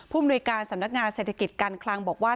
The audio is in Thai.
มนุยการสำนักงานเศรษฐกิจการคลังบอกว่า